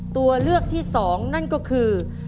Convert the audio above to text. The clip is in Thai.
ตัวเลือกที่๒นั่นก็คือ